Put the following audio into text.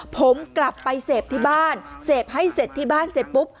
ผมกลับไปเสพที่บ้านเสพให้เสร็จที่บ้านเสร็จปุ๊บ